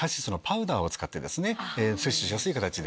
摂取しやすい形で。